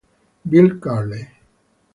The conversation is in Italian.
Bill Curley